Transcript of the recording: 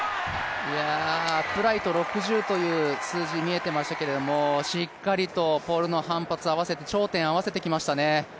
アップライト６０という数字見えていましたけどしっかりとポールの反発を合わせて、頂点合わせてきましたね。